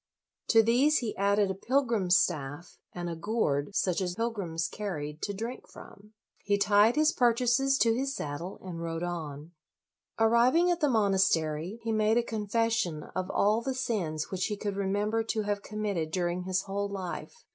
To these he added a pilgrim's staff, and a gourd such as pilgrims carried to drink from. He tied his purchases to his saddle, and rode on. Arriving at the monastery, he made a confession of all the sins which he could LOYOLA 59 remember to have committed during his whole life.